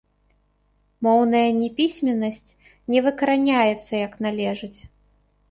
Моўная непісьменнасць не выкараняецца як належыць.